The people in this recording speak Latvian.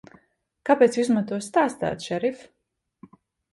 Kāpēc Jūs man to stāstāt, šerif?